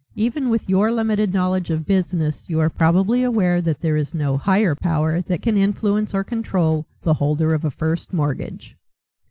Even with your limited knowledge of business you are probably aware that there is no higher power that can influence or control the holder of a first mortgage."